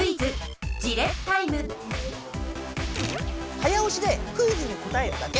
早押しでクイズに答えるだけ。